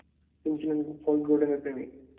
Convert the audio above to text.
তিনি ছিলেন ফন গ্লোডেনের প্রেমিক।